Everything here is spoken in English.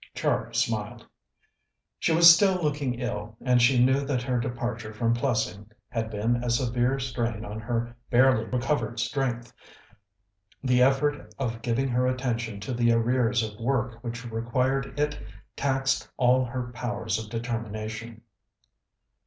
Char smiled. She was still looking ill, and she knew that her departure from Plessing had been a severe strain on her barely recovered strength. The effort of giving her attention to the arrears of work which required it taxed all her powers of determination.